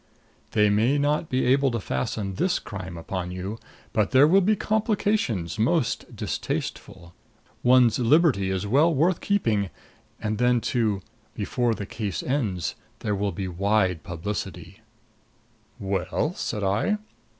"They may not be able to fasten this crime upon you, but there will be complications most distasteful. One's liberty is well worth keeping and then, too, before the case ends, there will be wide publicity " "'Well?" said I.